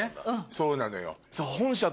そうなのよ。